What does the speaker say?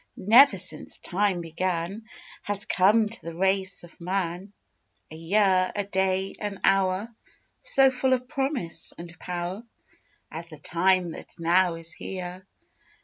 Never since time began Has come to the race of man A year, a day, an hour, So full of promise and power As the time that now is here!